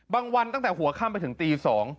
บางวันตั้งแต่หัวข้ามไปถึงตี๒